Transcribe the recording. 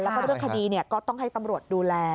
แล้วก็เรื่องคดีก็ต้องให้ตำรวจดูแล